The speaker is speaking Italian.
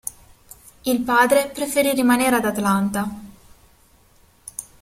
Il padre preferì rimanere ad Atlanta.